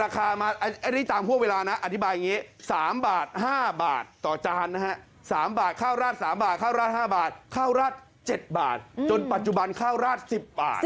ข้าวราช๗บาทจนปัจจุบันข้าวราช๑๐บาท